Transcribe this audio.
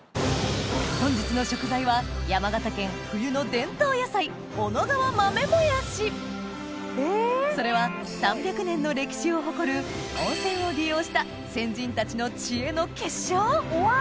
本日の食材はそれは３００年の歴史を誇る温泉を利用した先人たちの知恵の結晶わぉ！